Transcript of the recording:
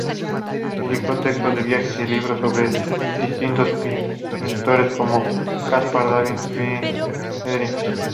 Publicó textos de viajes y libros sobre distintos pintores, como Caspar David Friedrich.